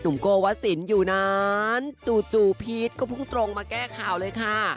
หนุ่มโกวัสสินอยู่นั้นจู่จู่พีชก็พุ่งตรงมาแก้ข่าวเลยค่ะ